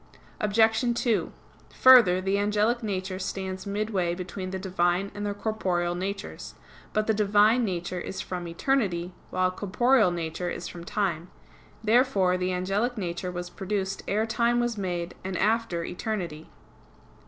Obj. 2: Further, the angelic nature stands midway between the Divine and the corporeal natures. But the Divine nature is from eternity; while corporeal nature is from time. Therefore the angelic nature was produced ere time was made, and after eternity.